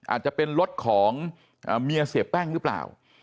อาจจะเป็นรถของเมียเสียแป้งหรือเปล่า